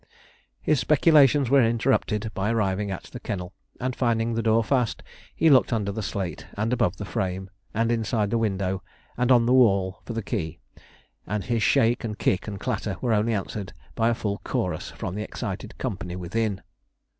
His speculations were interrupted by arriving at the kennel, and finding the door fast, he looked under the slate, and above the frame, and inside the window, and on the wall, for the key; and his shake, and kick, and clatter were only answered by a full chorus from the excited company within.